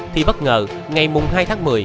thì bất ngờ ngày mùng hai tháng một mươi